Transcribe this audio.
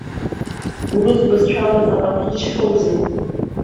Урыс бызшәала заҟа ҭижьхьоузеи?